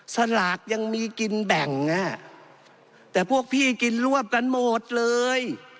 สลากยังมีกินแบ่งแต่พวกพี่กินรวบกันหมดเลย